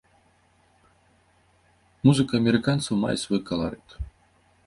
Музыка амерыканцаў мае свой каларыт.